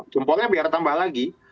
jempolnya biar tambah lagi